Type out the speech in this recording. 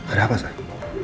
ada apa saya